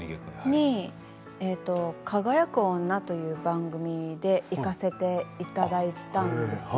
「輝く女」という番組で行かせていただいたんです。